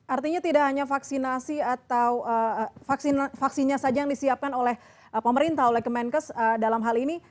artinya tidak hanya vaksinasi atau vaksinnya saja yang disiapkan oleh pemerintah oleh kemenkes dalam hal ini